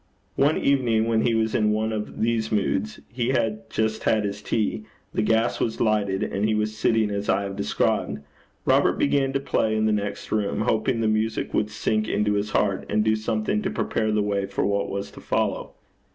One evening when he was in one of these moods he had just had his tea, the gas was lighted, and he was sitting as I have described Robert began to play in the next room, hoping that the music would sink into his heart, and do something to prepare the way for what was to follow.